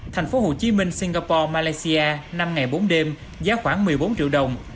thành phố hồ chí minh singapore malaysia năm ngày bốn đêm giá khoảng một mươi bốn triệu đồng